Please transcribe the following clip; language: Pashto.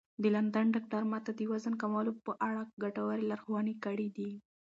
د لندن ډاکتر ما ته د وزن کمولو په اړه ګټورې لارښوونې کړې وې.